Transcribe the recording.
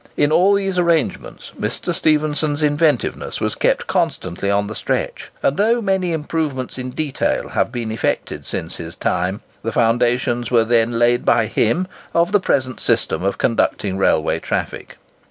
In all these arrangements, Mr. Stephenson's inventiveness was kept constantly on the stretch; and though many improvements in detail have been effected since his time, the foundations were then laid by him of the present system of conducting railway traffic.